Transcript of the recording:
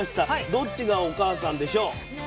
どっちがお母さんでしょう？